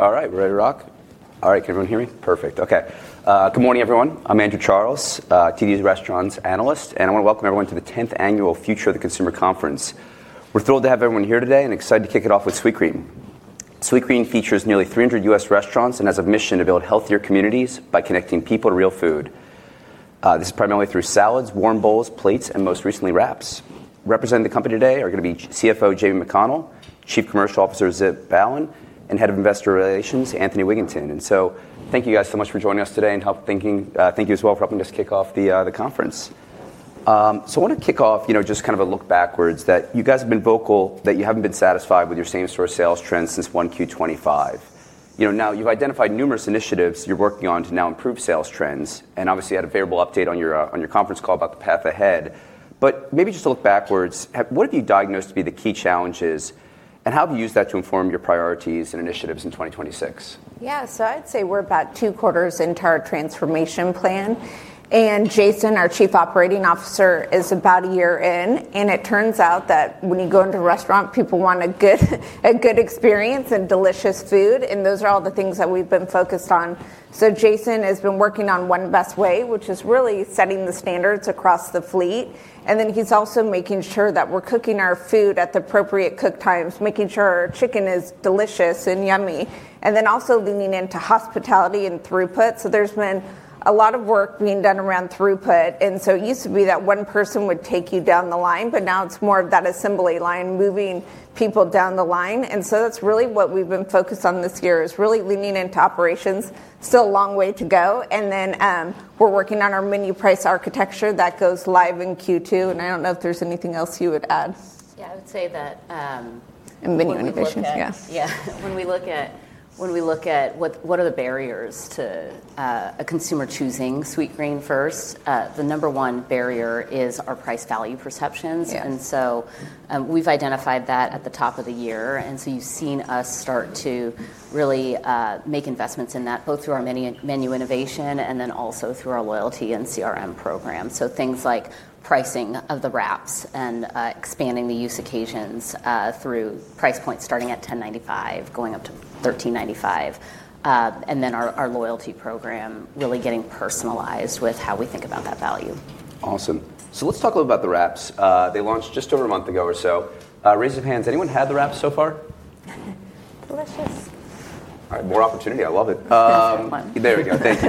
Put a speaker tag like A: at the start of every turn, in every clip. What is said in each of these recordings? A: All right, we ready to rock? All right, can everyone hear me? Perfect. Okay. Good morning, everyone. I'm Andrew Charles, TD's Restaurants Analyst, and I want to welcome everyone to the 10th Annual Future of the Consumer Conference. We're thrilled to have everyone here today and excited to kick it off with Sweetgreen. Sweetgreen features nearly 300 U.S. restaurants and has a mission to build healthier communities by connecting people to real food. This is primarily through salads, warm bowls, plates, and most recently, wraps. Representing the company today are going to be CFO, Jamie McConnell, Chief Commercial Officer, Zip Allen, and Head of Investor Relations, Anthony Wiginton. Thank you guys so much for joining us today and thank you as well for helping us kick off the conference. I want to kick off, just kind of a look backwards that you guys have been vocal that you haven't been satisfied with your same-store sales trends since 1Q 2025. You've identified numerous initiatives you're working on to now improve sales trends, and obviously had a favorable update on your conference call about the path ahead. Maybe just to look backwards, what have you diagnosed to be the key challenges, and how have you used that to inform your priorities and initiatives in 2026?
B: I'd say we're about two quarters into our transformation plan, and Jason, our Chief Operating Officer, is about a year in. It turns out that when you go into a restaurant, people want a good experience and delicious food, and those are all the things that we've been focused on. Jason has been working on One Best Way, which is really setting the standards across the fleet. He's also making sure that we're cooking our food at the appropriate cook times, making sure our chicken is delicious and yummy, and then also leaning into hospitality and throughput. There's been a lot of work being done around throughput. It used to be that one person would take you down the line, but now it's more of that assembly line moving people down the line. That's really what we've been focused on this year is really leaning into operations. Still a long way to go. We're working on our menu price architecture that goes live in Q2. I don't know if there's anything else you would add.
C: Yeah, I would say that.
B: Menu innovations. Yeah.
C: When we look at what are the barriers to a consumer choosing Sweetgreen first, the number one barrier is our price-value perceptions.
B: Yes.
C: We've identified that at the top of the year, you've seen us start to really make investments in that, both through our menu innovation and also through our loyalty and CRM program. Things like pricing of the Wraps and expanding the use occasions, through price points starting at $10.95, going up to $13.95. Our loyalty program really getting personalized with how we think about that value.
A: Awesome. Let's talk a little about the Wraps. They launched just over a month ago or so. Raise of hands, anyone had the wraps so far?
B: Delicious.
A: All right. More opportunity. I love it.
B: There's one.
A: There we go. Thank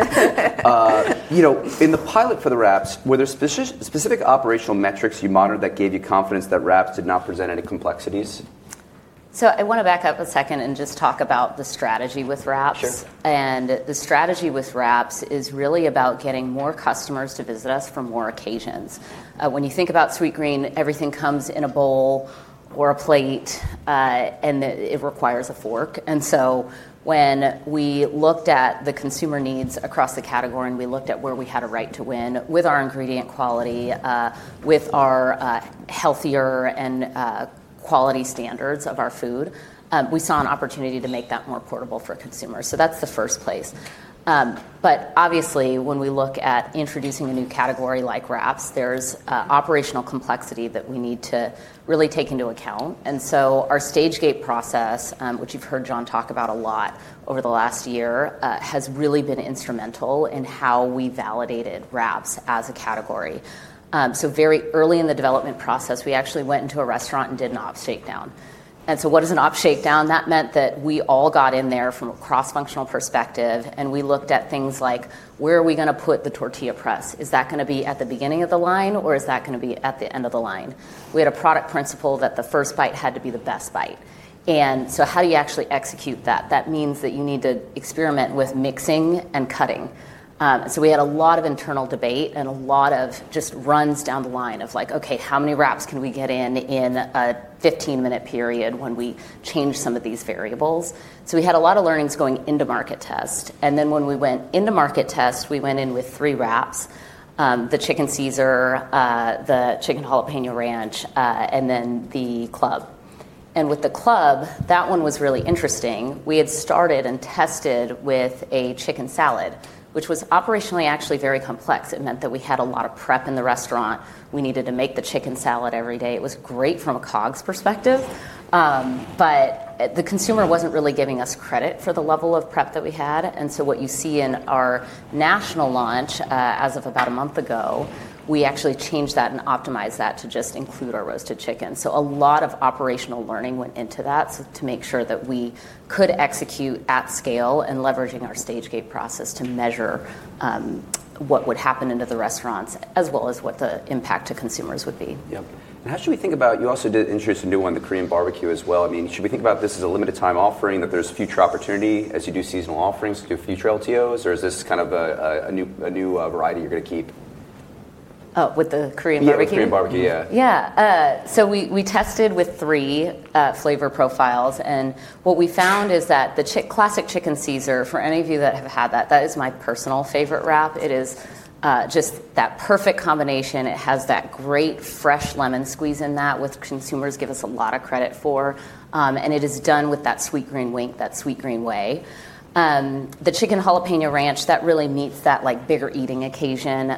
A: you. In the pilot for the Wraps, were there specific operational metrics you monitored that gave you confidence that Wraps did not present any complexities?
C: I want to back up a second and just talk about the strategy with Wraps.
A: Sure.
C: The strategy with Wraps is really about getting more customers to visit us for more occasions. When you think about Sweetgreen, everything comes in a bowl or a plate, and it requires a fork. When we looked at the consumer needs across the category, and we looked at where we had a right to win with our ingredient quality, with our healthier and quality standards of our food, we saw an opportunity to make that more portable for a consumer. That's the first place. Obviously when we look at introducing a new category like Wraps, there's operational complexity that we need to really take into account. Our stage-gate process, which you've heard John talk about a lot over the last year, has really been instrumental in how we validated Wraps as a category. Very early in the development process, we actually went into a restaurant and did an ops shakedown. What is an ops shakedown? That meant that we all got in there from a cross-functional perspective, and we looked at things like, where are we going to put the tortilla press? Is that going to be at the beginning of the line, or is that going to be at the end of the line? We had a product principle that the first bite had to be the best bite. How do you actually execute that? That means that you need to experiment with mixing and cutting. We had a lot of internal debate and a lot of just runs down the line of like, okay, how many wraps can we get in in a 15-minute period when we change some of these variables? We had a lot of learnings going into market test, and then when we went into market test, we went in with three Wraps, the Chicken Caesar, the Chicken Jalapeño Ranch, and then the Club. With the Club, that one was really interesting. We had started and tested with a chicken salad, which was operationally actually very complex. It meant that we had a lot of prep in the restaurant. We needed to make the chicken salad every day. It was great from a cost perspective, but the consumer wasn't really giving us credit for the level of prep that we had. What you see in our national launch, as of about a month ago, we actually changed that and optimized that to just include our roasted chicken. A lot of operational learning went into that to make sure that we could execute at scale and leveraging our stage-gate process to measure what would happen into the restaurants as well as what the impact to consumers would be.
A: Yep. How should we think about, you also did introduce a new one, the Korean BBQ as well. Should we think about this as a limited time offering, that there's future opportunity as you do seasonal offerings to do future LTOs, or is this kind of a new variety you're going to keep?
C: Oh, with the Korean BBQ?
A: Yeah, with Korean BBQ. Yeah.
C: We tested with three flavor profiles, and what we found is that the Classic Chicken Caesar, for any of you that have had that is my personal favorite Wrap. It is just that perfect combination. It has that great fresh lemon squeeze in that which consumers give us a lot of credit for. It is done with that Sweetgreen wink, that Sweetgreen way. The Chicken Jalapeño Ranch, that really meets that bigger eating occasion.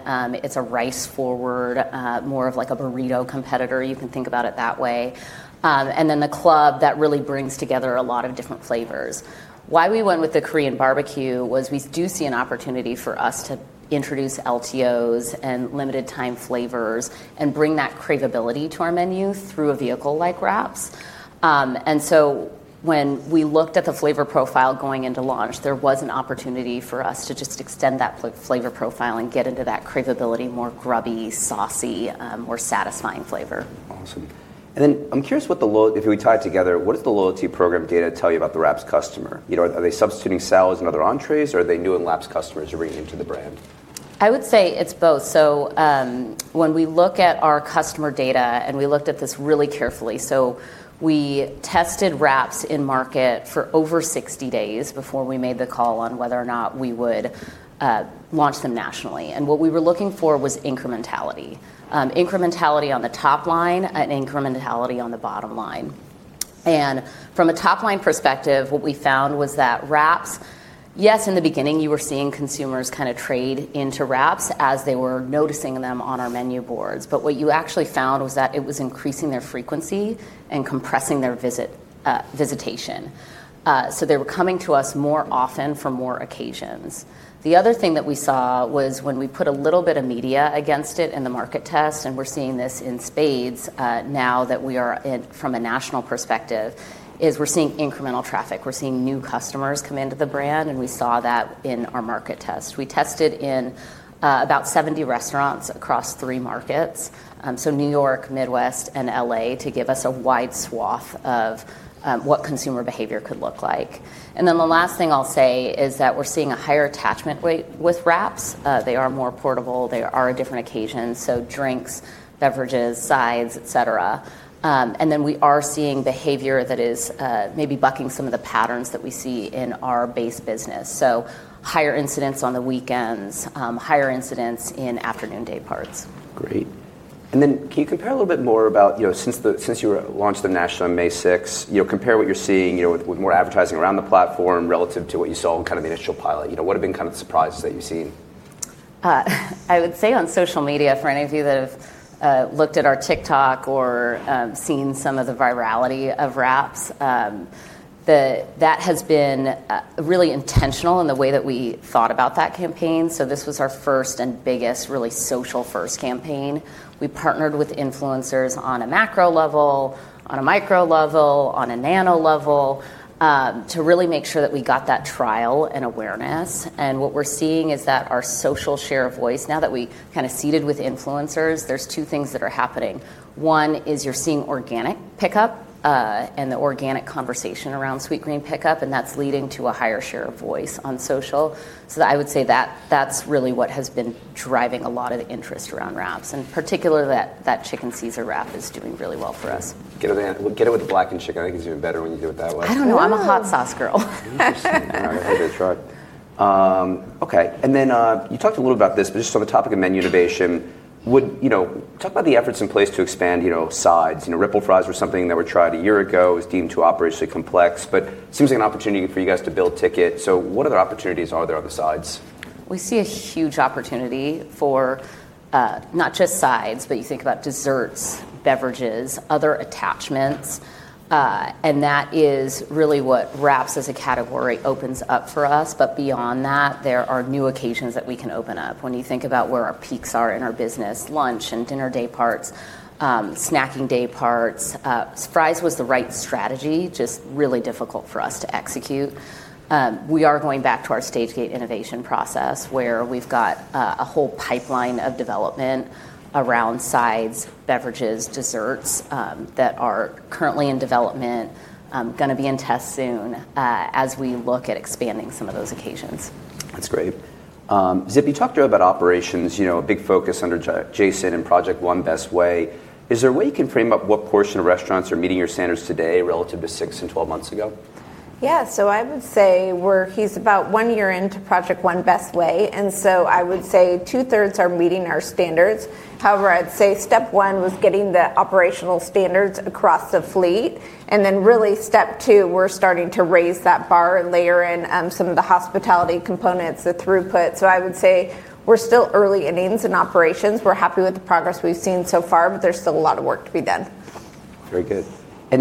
C: It's a rice forward, more of a burrito competitor. You can think about it that way. The Club, that really brings together a lot of different flavors. Why we went with the Korean BBQ was we do see an opportunity for us to introduce LTOs and limited time flavors, and bring that cravability to our menu through a vehicle like Wraps. When we looked at the flavor profile going into launch, there was an opportunity for us to just extend that flavor profile and get into that cravability, more grubby, saucy, more satisfying flavor.
A: Awesome. I'm curious, if we tie it together, what does the loyalty program data tell you about the wraps customer? Are they substituting salads and other entrees, or are they new and lapsed customers returning to the brand?
C: I would say it's both. When we look at our customer data, and we looked at this really carefully. We tested wraps in market for over 60 days before we made the call on whether or not we would launch them nationally. What we were looking for was incrementality. Incrementality on the top line and incrementality on the bottom line. From a top-line perspective, what we found was that wraps, yes, in the beginning, you were seeing consumers trade into wraps as they were noticing them on our menu boards. What you actually found was that it was increasing their frequency and compressing their visitation. They were coming to us more often for more occasions. The other thing that we saw was when we put a little bit of media against it in the market test, and we're seeing this in spades now that we are in from a national perspective, is we're seeing incremental traffic. We're seeing new customers come into the brand, and we saw that in our market test. We tested in about 70 restaurants across three markets. New York, Midwest, and L.A. to give us a wide swath of what consumer behavior could look like. The last thing I'll say is that we're seeing a higher attachment rate with wraps. They are more portable, they are a different occasion, so drinks, beverages, sides, et cetera. We are seeing behavior that is maybe bucking some of the patterns that we see in our base business. Higher incidence on the weekends, higher incidence in afternoon day parts.
A: Great. Then can you compare a little more about, since you launched them national on May 6th, compare what you're seeing with more advertising around the platform relative to what you saw in the initial pilot. What have been the surprises that you've seen?
C: I would say on social media, for any of you that have looked at our TikTok or seen some of the virality of Wraps, that has been really intentional in the way that we thought about that campaign. This was our first and biggest really social first campaign. We partnered with influencers on a macro level, on a micro level, on a nano level, to really make sure that we got that trial and awareness. What we're seeing is that our social share of voice, now that we seeded with influencers, there's two things that are happening. One is you're seeing organic pickup, and the organic conversation around Sweetgreen pickup, and that's leading to a higher share of voice on social. I would say that's really what has been driving a lot of the interest around Wraps, and particularly that Chicken Caesar wrap is doing really well for us.
A: Get it with the blackened chicken. I think it's even better when you do it that way.
C: I don't know.
A: I know.
C: I'm a hot sauce girl.
A: Interesting. All right. I'll give it a try. Okay. You talked a little about this, just on the topic of menu innovation, talk about the efforts in place to expand sides. Ripple Fries were something that were tried one year ago, it was deemed too operationally complex, but it seems like an opportunity for you guys to build ticket. What other opportunities are there on the sides?
C: We see a huge opportunity for not just sides, but you think about desserts, beverages, other attachments. That is really what Wraps as a category opens up for us. Beyond that, there are new occasions that we can open up. When you think about where our peaks are in our business, lunch and dinner day parts, snacking day parts. Fries was the right strategy, just really difficult for us to execute. We are going back to our stage-gate innovation process, where we've got a whole pipeline of development around sides, beverages, desserts, that are currently in development, going to be in test soon, as we look at expanding some of those occasions.
A: That's great. Zip, talk to us about operations, a big focus under Jason and Project One Best Way. Is there a way you can frame up what portion of restaurants are meeting your standards today relative to six and 12 months ago?
D: I would say he's about one year into Project One Best Way, and so I would say two-thirds are meeting our standards. However, I'd say step one was getting the operational standards across the fleet, and then really step two, we're starting to raise that bar and layer in some of the hospitality components, the throughput. I would say we're still early innings in operations. We're happy with the progress we've seen so far, but there's still a lot of work to be done.
A: Very good.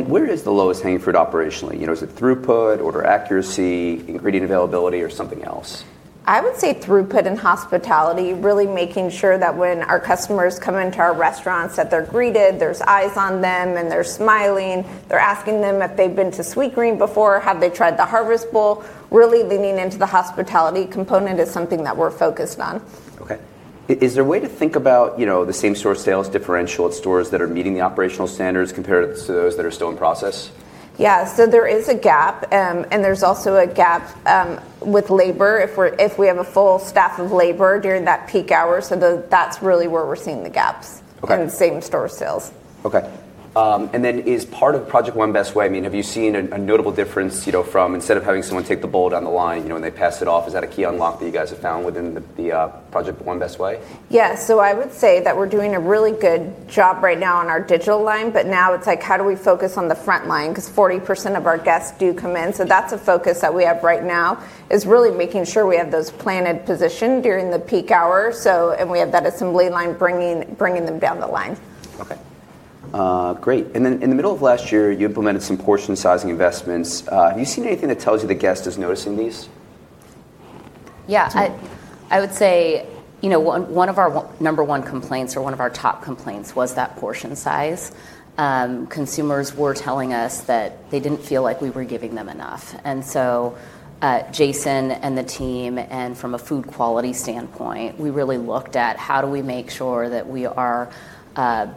A: Where is the lowest hanging fruit operationally? Is it throughput, order accuracy, ingredient availability, or something else?
B: I would say throughput and hospitality, really making sure that when our customers come into our restaurants, that they're greeted, there's eyes on them, and they're smiling. They're asking them if they've been to Sweetgreen before, have they tried the Harvest Bowl? Really leaning into the hospitality component is something that we're focused on.
A: Okay. Is there a way to think about the same store sales differential at stores that are meeting the operational standards compared to those that are still in process?
B: Yeah. There is a gap, and there's also a gap with labor, if we have a full staff of labor during that peak hour. That's really where we're seeing the gaps.
A: Okay.
B: In same store sales.
A: Okay. Is part of Project One Best Way, have you seen a notable difference from instead of having someone take the bowl down the line, and they pass it off, is that a key unlock that you guys have found within the Project One Best Way?
B: Yeah. I would say that we're doing a really good job right now on our digital line, but now it's like, how do we focus on the front line? Because 40% of our guests do come in. That's a focus that we have right now, is really making sure we have those planned and positioned during the peak hours. We have that assembly line bringing them down the line.
A: Okay. Great. In the middle of last year, you implemented some portion sizing investments. Have you seen anything that tells you the guest is noticing these?
C: Yeah. I would say, one of our number one complaints or one of our top complaints was that portion size. Consumers were telling us that they didn't feel like we were giving them enough. Jason and the team, and from a food quality standpoint, we really looked at how do we make sure that we are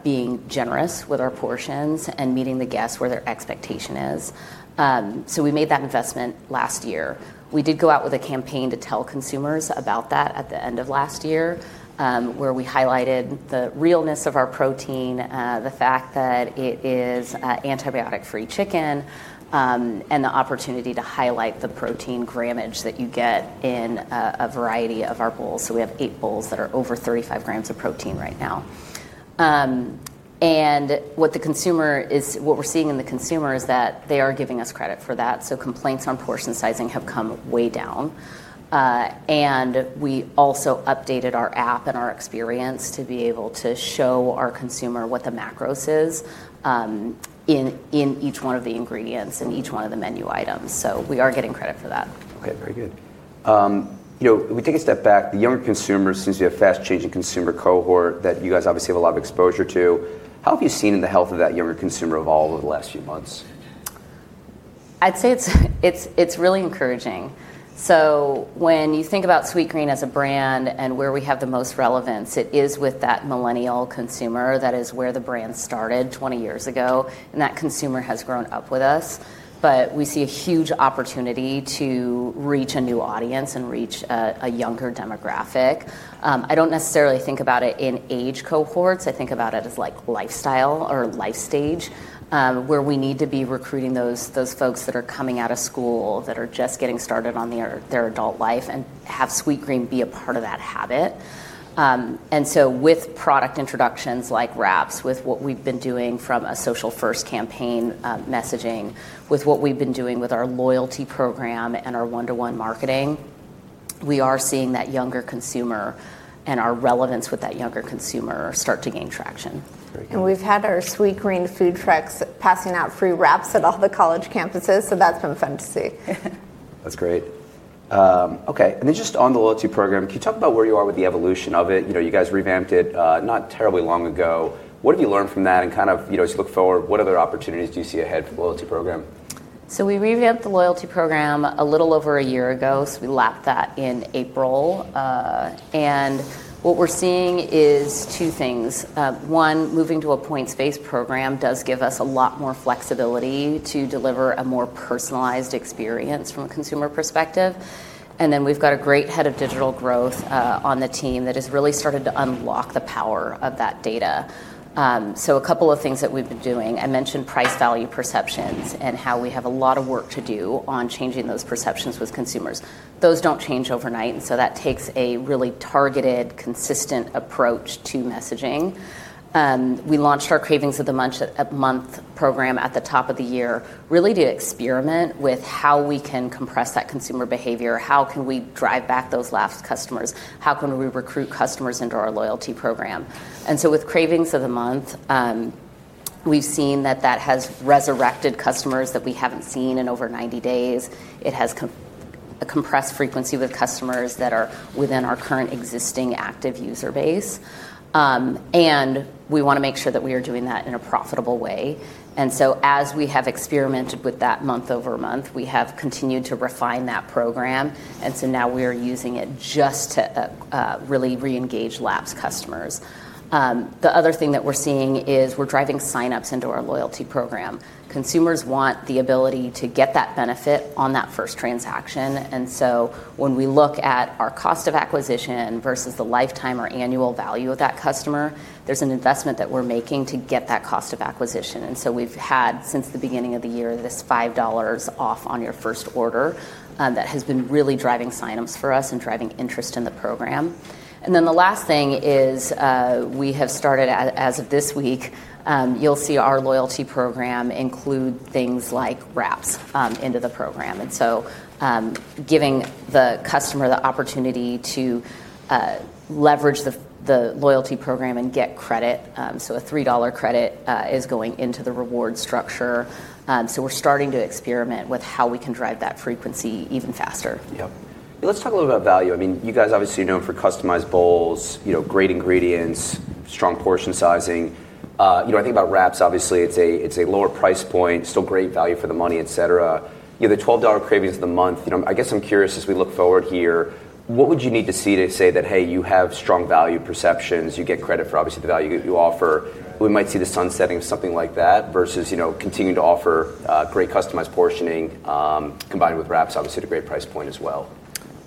C: being generous with our portions and meeting the guests where their expectation is. We made that investment last year. We did go out with a campaign to tell consumers about that at the end of last year, where we highlighted the realness of our protein, the fact that it is antibiotic-free chicken, and the opportunity to highlight the protein grammage that you get in a variety of our bowls. We have eight bowls that are over 35 g of protein right now. What we're seeing in the consumer is that they are giving us credit for that. Complaints on portion sizing have come way down. We also updated our app and our experience to be able to show our consumer what the macros is in each one of the ingredients, in each one of the menu items. We are getting credit for that.
A: Okay. Very good. If we take a step back, the younger consumer, since you have a fast-changing consumer cohort that you guys obviously have a lot of exposure to, how have you seen the health of that younger consumer evolve over the last few months?
C: I'd say it's really encouraging. When you think about Sweetgreen as a brand and where we have the most relevance, it is with that millennial consumer. That is where the brand started 20 years ago, and that consumer has grown up with us. We see a huge opportunity to reach a new audience and reach a younger demographic. I don't necessarily think about it in age cohorts. I think about it as lifestyle or life stage, where we need to be recruiting those folks that are coming out of school, that are just getting started on their adult life, and have Sweetgreen be a part of that habit. With product introductions like Wraps, with what we've been doing from a social first campaign messaging, with what we've been doing with our loyalty program and our one-to-one marketing, we are seeing that younger consumer and our relevance with that younger consumer start to gain traction.
A: Very good.
B: We've had our Sweetgreen food trucks passing out free wraps at all the college campuses, so that's been fun to see.
A: That's great. Okay. Just on the loyalty program, can you talk about where you are with the evolution of it? You guys revamped it not terribly long ago. What have you learned from that and as you look forward, what other opportunities do you see ahead for the loyalty program?
C: We revamped the loyalty program a little over a year ago, so we lapped that in April. What we're seeing is two things. One, moving to a points-based program does give us a lot more flexibility to deliver a more personalized experience from a consumer perspective. We've got a great head of digital growth on the team that has really started to unlock the power of that data. A couple of things that we've been doing. I mentioned price value perceptions and how we have a lot of work to do on changing those perceptions with consumers. Those don't change overnight, and so that takes a really targeted, consistent approach to messaging. We launched our Craving of the Month program at the top of the year, really to experiment with how we can compress that consumer behavior. How can we drive back those lapsed customers? How can we recruit customers into our loyalty program? With Craving of the Month, we've seen that that has resurrected customers that we haven't seen in over 90 days. It has a compressed frequency with customers that are within our current existing active user base. We want to make sure that we are doing that in a profitable way. As we have experimented with that month-over-month, we have continued to refine that program. Now we are using it just to really reengage lapsed customers. The other thing that we're seeing is we're driving signups into our loyalty program. Consumers want the ability to get that benefit on that first transaction. When we look at our cost of acquisition versus the lifetime or annual value of that customer, there's an investment that we're making to get that cost of acquisition. We've had, since the beginning of the year, this $5 off on your first order that has been really driving signups for us and driving interest in the program. The last thing is we have started, as of this week, you'll see our loyalty program include things like Wraps into the program. Giving the customer the opportunity to leverage the loyalty program and get credit. A $3 credit is going into the reward structure. We're starting to experiment with how we can drive that frequency even faster.
A: Yep. Let's talk a little about value. You guys obviously are known for customized bowls, great ingredients, strong portion sizing. I think about Wraps, obviously, it's a lower price point, still great value for the money, et cetera. The $12 Craving of the Month, I guess I'm curious as we look forward here, what would you need to see to say that, hey, you have strong value perceptions, you get credit for obviously the value you offer. We might see the sun setting of something like that versus continuing to offer great customized portioning, combined with Wraps, obviously at a great price point as well.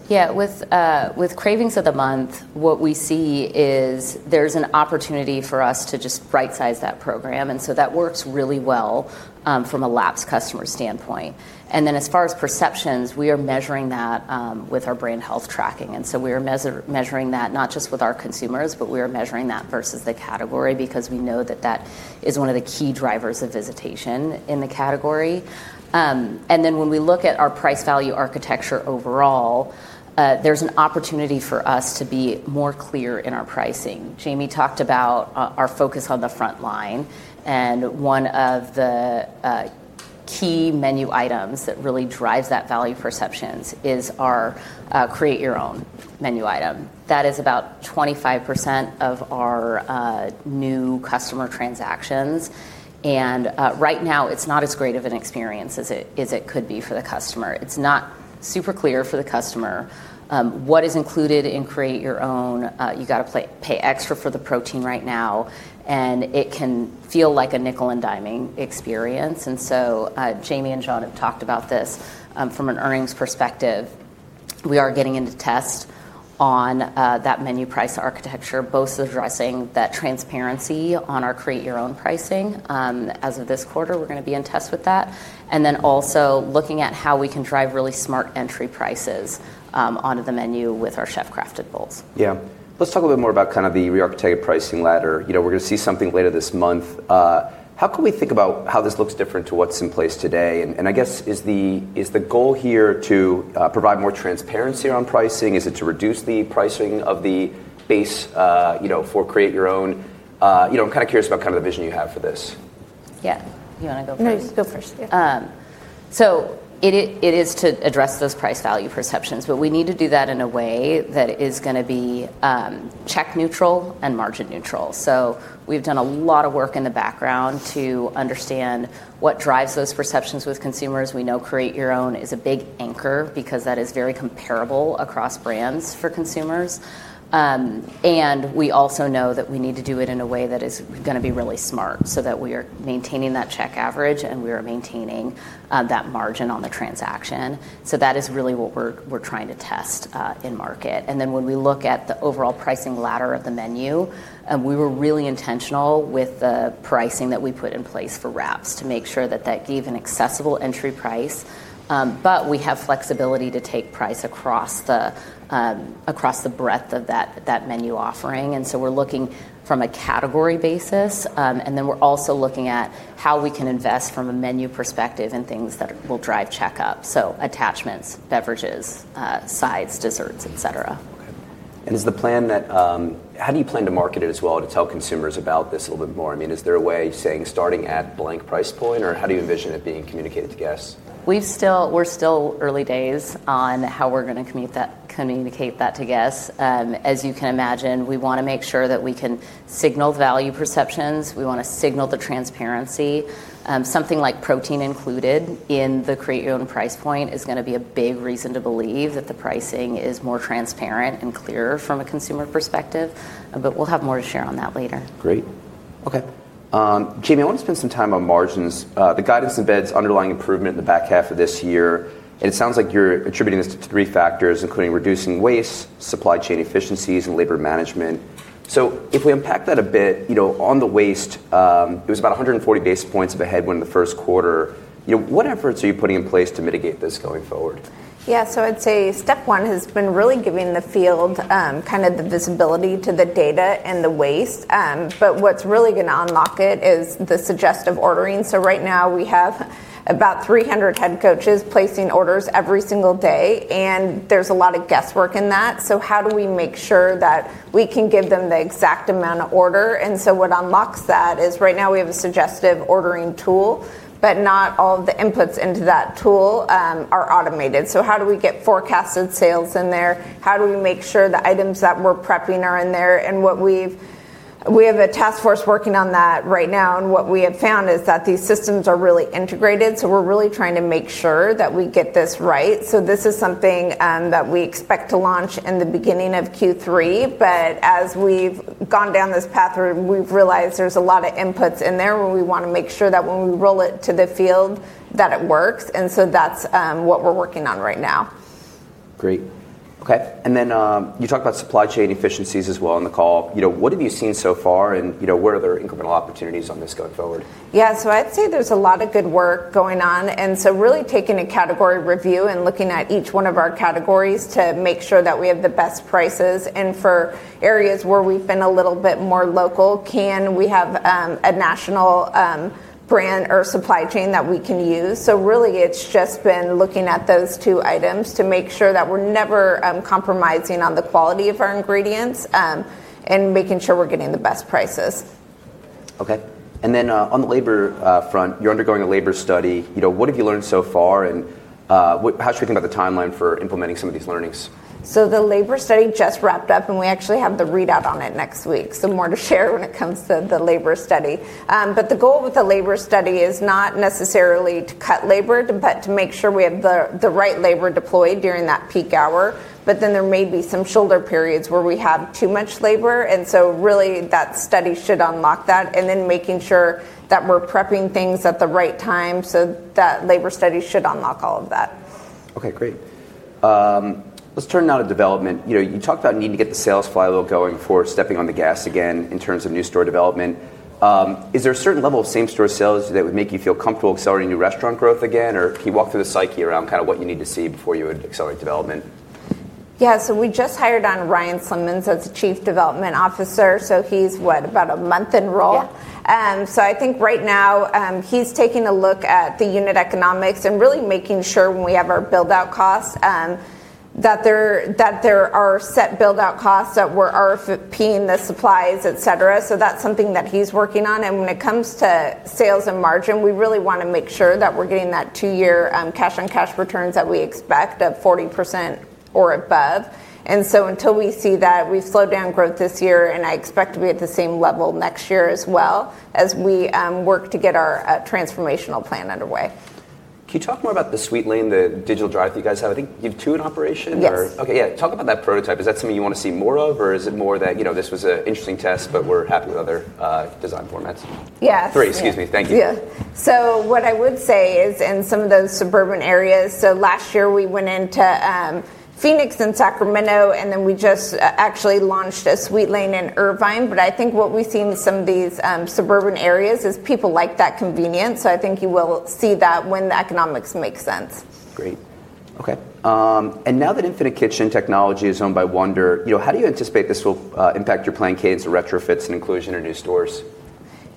C: Yeah. With Craving of the Month, what we see is there's an opportunity for us to just right-size that program. That works really well from a lapsed customer standpoint. As far as perceptions, we are measuring that with our brand health tracking. We are measuring that not just with our consumers, but we are measuring that versus the category because we know that that is one of the key drivers of visitation in the category. When we look at our price-value architecture overall, there's an opportunity for us to be more clear in our pricing. Jamie talked about our focus on the frontline, and one of the key menu items that really drives that value perceptions is our Create Your Own menu item. That is about 25% of our new customer transactions, right now it's not as great of an experience as it could be for the customer. It's not super clear for the customer what is included in Create Your Own. You got to pay extra for the protein right now, it can feel like a nickel-and-diming experience. Jamie and John have talked about this from an earnings perspective. We are getting into test on that menu price architecture, both addressing that transparency on our Create Your Own pricing. As of this quarter, we're going to be in test with that. Also looking at how we can drive really smart entry prices onto the menu with our chef-crafted bowls.
A: Yeah. Let's talk a little bit more about the rearchitecting pricing ladder. We're going to see something later this month. How can we think about how this looks different to what's in place today? I guess, is the goal here to provide more transparency on pricing? Is it to reduce the pricing of the base for Create Your Own? I'm kind of curious about the vision you have for this.
C: Yeah. You want to go first?
B: No, you go first. Yeah.
C: It is to address those price value perceptions, but we need to do that in a way that is going to be check neutral and margin neutral. We've done a lot of work in the background to understand what drives those perceptions with consumers. We know Create Your Own is a big anchor because that is very comparable across brands for consumers. We also know that we need to do it in a way that is going to be really smart so that we are maintaining that check average, and we are maintaining that margin on the transaction. That is really what we're trying to test in market. When we look at the overall pricing ladder of the menu, we were really intentional with the pricing that we put in place for Wraps to make sure that gave an accessible entry price. We have flexibility to take price across the breadth of that menu offering. We're looking from a category basis, and then we're also looking at how we can invest from a menu perspective and things that will drive check-up. Attachments, beverages, sides, desserts, et cetera.
A: Okay. How do you plan to market it as well to tell consumers about this a little bit more? Is there a way of saying, "Starting at blank price point," or how do you envision it being communicated to guests?
C: We're still early days on how we're going to communicate that to guests. As you can imagine, we want to make sure that we can signal value perceptions. We want to signal the transparency. Something like protein included in the Create Your Own price point is going to be a big reason to believe that the pricing is more transparent and clearer from a consumer perspective. We'll have more to share on that later.
A: Great. Okay. Jamie, I want to spend some time on margins. The guidance embeds underlying improvement in the back half of this year, it sounds like you're attributing this to three factors, including reducing waste, supply chain efficiencies, and labor management. If we unpack that a bit, on the waste, it was about 140 basis points of a headwind in the first quarter. What efforts are you putting in place to mitigate this going forward?
B: I'd say step one has been really giving the field the visibility to the data and the waste. What's really going to unlock it is the suggestive ordering. Right now, we have about 300 Head Coaches placing orders every single day, and there's a lot of guesswork in that. How do we make sure that we can give them the exact amount of order? What unlocks that is right now we have a suggestive ordering tool, but not all of the inputs into that tool are automated. How do we get forecasted sales in there? How do we make sure the items that we're prepping are in there? We have a task force working on that right now, and what we have found is that these systems are really integrated, so we're really trying to make sure that we get this right. This is something that we expect to launch in the beginning of Q3. As we've gone down this path, we've realized there's a lot of inputs in there where we want to make sure that when we roll it to the field, that it works. That's what we're working on right now.
A: Great. Okay. You talked about supply chain efficiencies as well on the call. What have you seen so far and where are there incremental opportunities on this going forward?
B: Yeah. I'd say there's a lot of good work going on. Really taking a category review and looking at each one of our categories to make sure that we have the best prices. For areas where we've been a little bit more local, can we have a national brand or supply chain that we can use? Really, it's just been looking at those two items to make sure that we're never compromising on the quality of our ingredients, and making sure we're getting the best prices.
A: Okay. On the labor front, you're undergoing a labor study. What have you learned so far and how should we think about the timeline for implementing some of these learnings?
B: The labor study just wrapped up, and we actually have the readout on it next week. More to share when it comes to the labor study. The goal with the labor study is not necessarily to cut labor, but to make sure we have the right labor deployed during that peak hour. Then there may be some shoulder periods where we have too much labor, really, that study should unlock that. Then making sure that we're prepping things at the right time so that labor study should unlock all of that.
A: Okay, great. Let's turn now to development. You talked about needing to get the sales flywheel going for stepping on the gas again in terms of new store development. Is there a certain level of same-store sales that would make you feel comfortable accelerating new restaurant growth again? Can you walk through the psyche around what you need to see before you would accelerate development?
B: Yeah. We just hired on Ryan Simmons as Chief Development Officer. He's, what? About a month in role.
C: Yeah.
B: I think right now, he's taking a look at the unit economics and really making sure when we have our build-out costs, that there are set build-out costs, that we're RFPing the supplies, et cetera. That's something that he's working on. When it comes to sales and margin, we really want to make sure that we're getting that two-year cash-on-cash returns that we expect of 40% or above. Until we see that, we've slowed down growth this year, and I expect to be at the same level next year as well, as we work to get our transformational plan underway.
A: Can you talk more about the Sweetlane, the digital drive-through you guys have? I think you have two in operation?
B: Yes.
A: Okay, yeah. Talk about that prototype. Is that something you want to see more of? Is it more that this was an interesting test, but we're happy with other design formats?
B: Yeah.
A: Three. Excuse me. Thank you.
B: What I would say is in some of those suburban areas, so last year we went into Phoenix and Sacramento, and then we just actually launched a Sweetlane in Irvine. I think what we've seen in some of these suburban areas is people like that convenience. I think you will see that when the economics make sense.
A: Great. Okay. Now that Infinite Kitchen technology is owned by Wonder, how do you anticipate this will impact your plan CapEx or retrofits and inclusion in your new stores?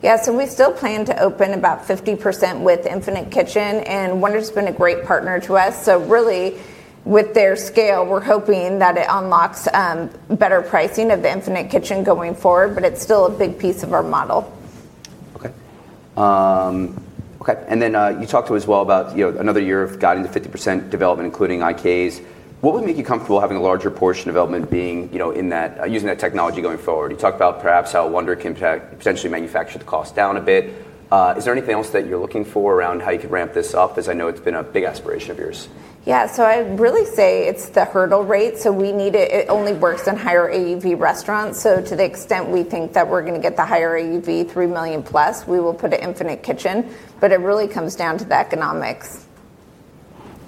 B: We still plan to open about 50% with Infinite Kitchen, and Wonder's been a great partner to us. Really, with their scale, we're hoping that it unlocks better pricing of the Infinite Kitchen going forward, but it's still a big piece of our model.
A: Okay. Then, you talked, as well, about another year of guiding to 50% development, including in-line. What would make you comfortable having a larger portion of development being in that, using that technology going forward? You talked about perhaps how Wonder can potentially manufacture the cost down a bit. Is there anything else that you're looking for around how you could ramp this up? As I know it's been a big aspiration of yours.
B: Yeah. I'd really say it's the hurdle rate. It only works in higher AUV restaurants. To the extent we think that we're going to get the higher AUV, $3 million plus, we will put an Infinite Kitchen, but it really comes down to the economics.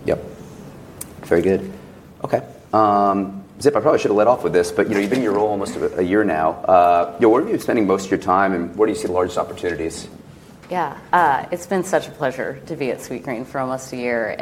A: Yep. Very good. Okay. Zip, I probably should have led off with this, but you've been in your role almost a year now. Where are you spending most of your time, and where do you see the largest opportunities?
C: It's been such a pleasure to be at Sweetgreen for almost a year.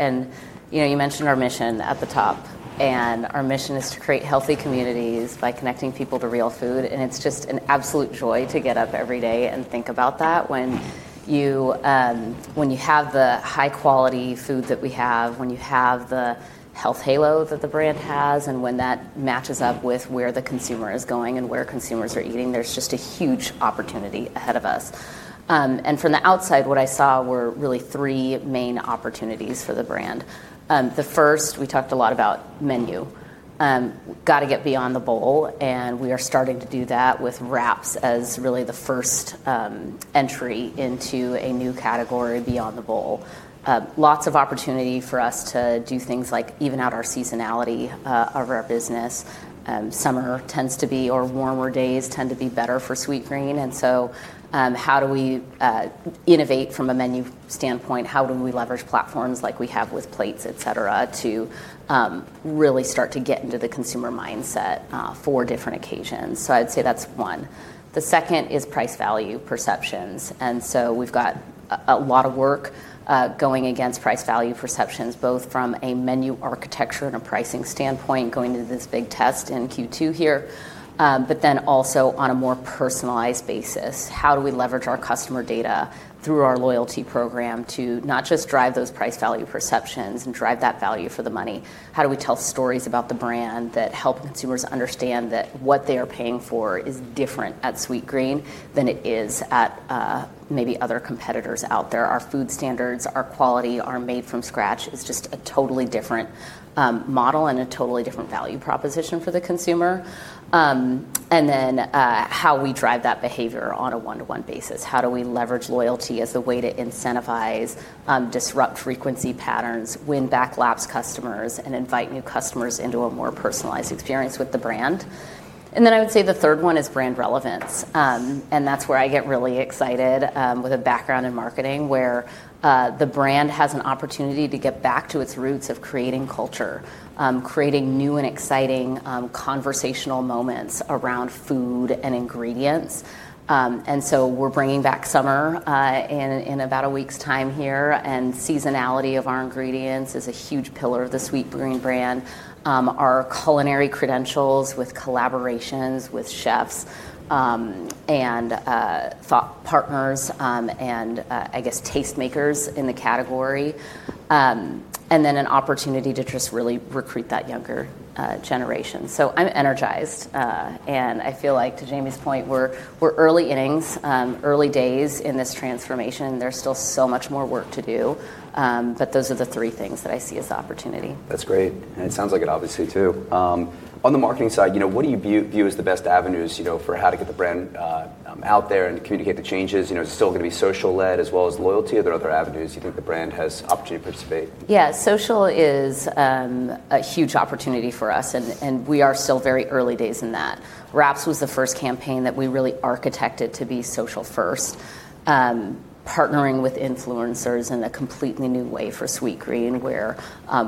C: You mentioned our mission at the top, and our mission is to create healthy communities by connecting people to real food, and it's just an absolute joy to get up every day and think about that when you have the high-quality food that we have, when you have the health halo that the brand has, and when that matches up with where the consumer is going and where consumers are eating. There's just a huge opportunity ahead of us. From the outside, what I saw were really three main opportunities for the brand. The first, we talked a lot about menu. Got to get beyond the bowl, and we are starting to do that with Wraps as really the first entry into a new category beyond the bowl. Lots of opportunity for us to do things like even out our seasonality of our business. Summer tends to be, or warmer days tend to be better for Sweetgreen. How do we innovate from a menu standpoint? How do we leverage platforms like we have with plates, et cetera, to really start to get into the consumer mindset for different occasions? I'd say that's one. The second is price-value perceptions. We've got a lot of work going against price-value perceptions, both from a menu architecture and a pricing standpoint, going into this big test in Q2 here. Also on a more personalized basis, how do we leverage our customer data through our loyalty program to not just drive those price-value perceptions and drive that value for the money? How do we tell stories about the brand that help consumers understand that what they are paying for is different at Sweetgreen than it is at maybe other competitors out there? Our food standards, our quality, our made from scratch is just a totally different model and a totally different value proposition for the consumer. How we drive that behavior on a one-to-one basis. How do we leverage loyalty as a way to incentivize, disrupt frequency patterns, win back lapsed customers, and invite new customers into a more personalized experience with the brand? I would say the third one is brand relevance, and that's where I get really excited, with a background in marketing, where the brand has an opportunity to get back to its roots of creating culture, creating new and exciting conversational moments around food and ingredients. We're bringing back summer, in about a week's time here, and seasonality of our ingredients is a huge pillar of the Sweetgreen brand. Our culinary credentials with collaborations with chefs, and thought partners, and I guess taste makers in the category. An opportunity to just really recruit that younger generation. I'm energized, and I feel like, to Jamie's point, we're early innings, early days in this transformation. There's still so much more work to do, but those are the three things that I see as opportunity.
A: That's great. It sounds like it obviously, too. On the marketing side, you know, what do you view as the best avenues, you know, for how to get the brand out there and communicate the changes? You know, is it still gonna be social-led as well as loyalty? Are there other avenues you think the brand has opportunity to participate?
C: Yeah. Social is a huge opportunity for us, and we are still very early days in that. Wraps was the first campaign that we really architected to be social first. Partnering with influencers in a completely new way for Sweetgreen, where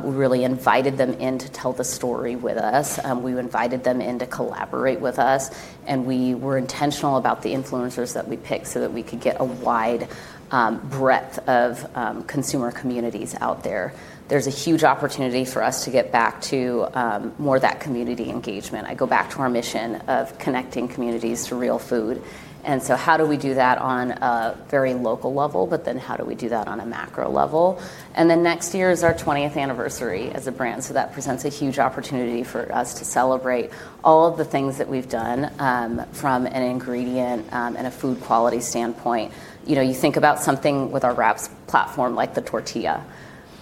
C: we really invited them in to tell the story with us. We invited them in to collaborate with us, and we were intentional about the influencers that we picked so that we could get a wide breadth of consumer communities out there. There's a huge opportunity for us to get back to more of that community engagement. I go back to our mission of connecting communities to real food, how do we do that on a very local level, how do we do that on a macro level? Next year is our 20th anniversary as a brand, so that presents a huge opportunity for us to celebrate all of the things that we've done from an ingredient and a food quality standpoint. You know, you think about something with our Wraps platform, like the tortilla.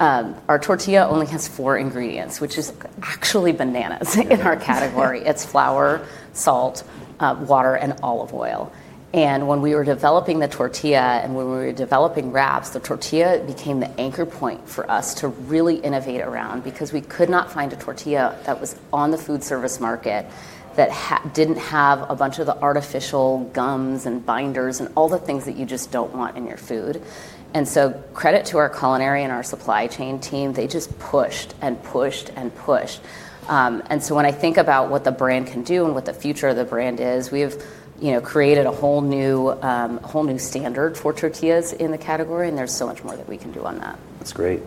C: Our tortilla only has four ingredients, which is actually bananas in our category. It's flour, salt, water, and olive oil. When we were developing the tortilla and when we were developing Wraps, the tortilla became the anchor point for us to really innovate around because we could not find a tortilla that was on the food service market that didn't have a bunch of the artificial gums and binders and all the things that you just don't want in your food. Credit to our culinary and our supply chain team, they just pushed and pushed and pushed. When I think about what the brand can do and what the future of the brand is, we have, you know, created a whole new standard for tortillas in the category, and there's so much more that we can do on that.
A: That's great.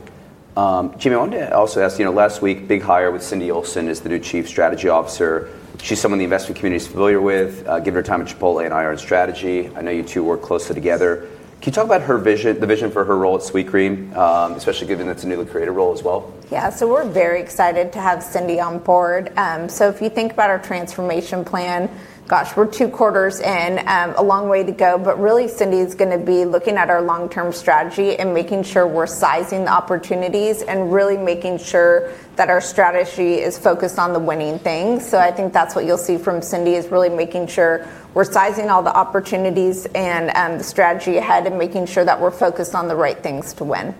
A: Jamie, I wanted to also ask, you know, last week, big hire with Cindy Olson as the new Chief Strategy Officer. She's someone the investment community's familiar with, given her time at Chipotle and IR in strategy. I know you two work closely together. Can you talk about her vision, the vision for her role at Sweetgreen? Especially given it's a newly created role as well.
B: Yeah. We're very excited to have Cindy on board. If you think about our transformation plan, gosh, we're two quarters in, a long way to go, really, Cindy's gonna be looking at our long-term strategy and making sure we're sizing the opportunities and really making sure that our strategy is focused on the winning things. I think that's what you'll see from Cindy, is really making sure we're sizing all the opportunities and the strategy ahead and making sure that we're focused on the right things to win.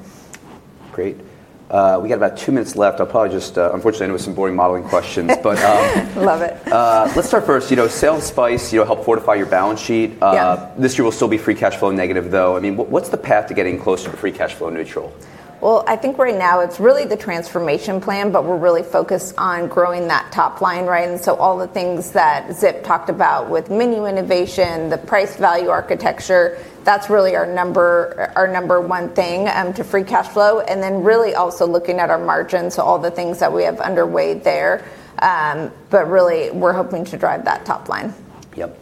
A: Great. We got about two minutes left. I'll probably just unfortunately end it with some boring modeling questions.
B: Love it.
A: Let's start first, you know, sale-leaseback, you know, helped fortify your balance sheet.
B: Yeah.
A: This year will still be free cash flow negative, though. I mean, what's the path to getting closer to free cash flow neutral?
B: I think right now it's really the transformation plan, we're really focused on growing that top line, right? All the things that Zip talked about with menu innovation, the price value architecture, that's really our number one thing to free cash flow, really also looking at our margins, all the things that we have underway there. Really, we're hoping to drive that top line.
A: Yep.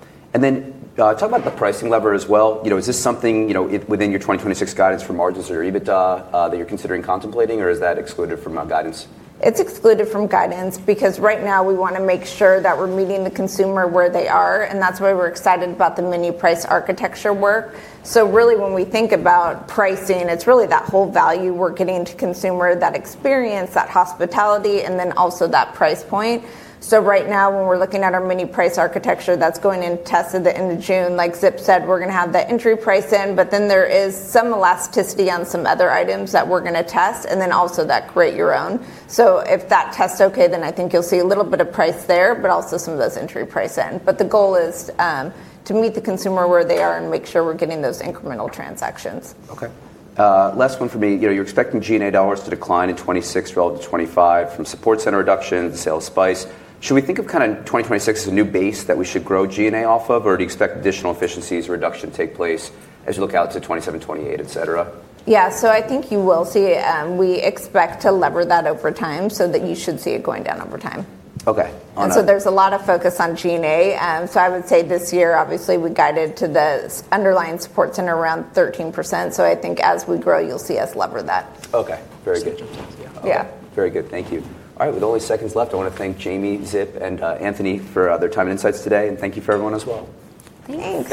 A: Talk about the pricing lever as well. You know, is this something, you know, within your 2026 guidance for margins or EBITDA that you're considering contemplating, or is that excluded from guidance?
B: It's excluded from guidance because right now we want to make sure that we're meeting the consumer where they are, and that's why we're excited about the menu price architecture work. Really when we think about pricing, it's really that whole value we're getting to consumer, that experience, that hospitality, and then also that price point. Right now, when we're looking at our menu price architecture, that's going in test at the end of June. Like Zip said, we're gonna have the entry price in, but then there is some elasticity on some other items that we're gonna test, and then also that Create Your Own. If that tests okay, then I think you'll see a little bit of price there, but also some of those entry price in. The goal is to meet the consumer where they are and make sure we're getting those incremental transactions.
A: Okay. You know, you're expecting G&A dollars to decline in 2026 relative to 2025 from support center reductions, sells spice. Should we think of kind of 2026 as a new base that we should grow G&A off of, or do you expect additional efficiencies or reduction to take place as you look out to 2027, 2028, et cetera?
B: Yeah. I think you will see, we expect to lever that over time, so that you should see it going down over time.
A: Okay. All right.
B: There's a lot of focus on G&A. I would say this year, obviously we guided to the underlying support center around 13%, so I think as we grow, you'll see us lever that.
A: Okay. Very good.
C: Fixed costs, yeah.
A: Yeah. Very good. Thank you. All right. With only seconds left, I want to thank Jamie, Zip, and Anthony for their time and insights today, and thank you for everyone as well.
C: Thanks.